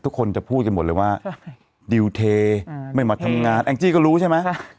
ทุกคนจะพูดกันหมดเลยว่าดิวเทไม่มาทำงานแองจี้ก็รู้ใช่ไหม